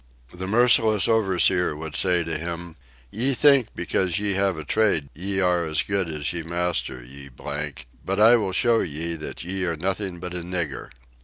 The merciless overseer would say to him, "Ye think because ye have a trade ye are as good as ye master, ye ; but I will show ye that ye are nothing but a nigger."